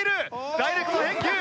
ダイレクト返球！